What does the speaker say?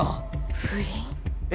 不倫？え？